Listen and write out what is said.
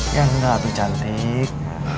ya enggak tuh cantik